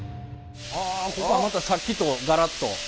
あここはまたさっきとガラッと。